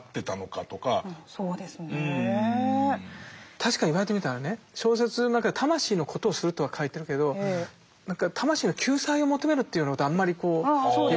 確かに言われてみたらね小説の中に「魂のこと」をするとは書いてるけど魂の救済を求めるというようなことはあんまり言われてないですよね。